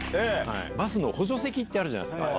バスの補助席あるじゃないですか